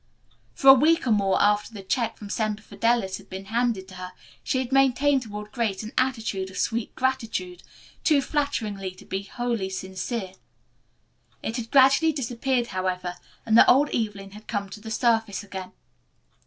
For a week or more after the check from Semper Fidelis had been handed to her she had maintained toward Grace an attitude of sweet gratitude, too flattering to be wholly sincere. It had gradually disappeared, however, and the old Evelyn had come to the surface again.